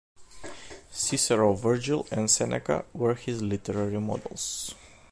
Cicero, Virgil, and Seneca were his literary models.